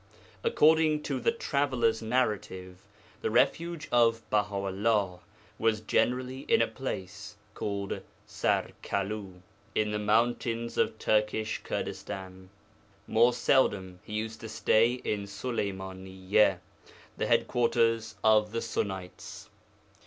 According to the Traveller's Narrative, the refuge of Baha 'ullah was generally in a place called Sarkalu in the mountains of Turkish Kurdistan; more seldom he used to stay in Suleymaniyya, the headquarters of the Sunnites.